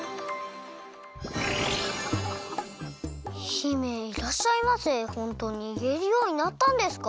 姫いらっしゃいませホントにいえるようになったんですか？